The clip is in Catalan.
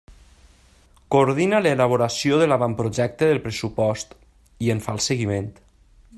Coordina l'elaboració de l'avantprojecte del pressupost i en fa el seguiment.